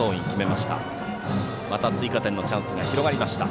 また追加点のチャンスが広がりました。